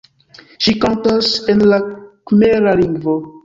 Ŝi kantas en la kmera lingvo.